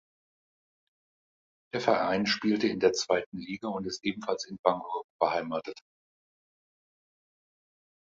Der Verein spielte in der zweiten Liga und ist ebenfalls in Bangkok beheimatet.